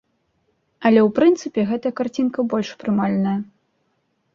Але ў прынцыпе, гэтая карцінка больш прымальная.